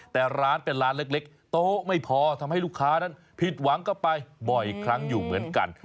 แต่ร้านเป็นร้านเล็กโต๊ะไม่พอทำให้ลูกค้านั้นผิดหวังก็ไปบ่อยครั้งอยู่เหมือนกัน